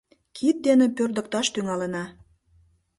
Кид дене пӧрдыкташ тӱҥалына.